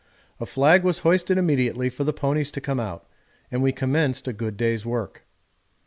A flag was hoisted immediately for the ponies to come out, and we commenced a good day's work.